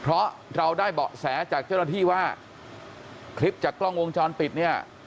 เพราะเราได้เบาะแสจากเจ้าหน้าที่ว่าคลิปจากกล้องวงจรปิดเนี่ย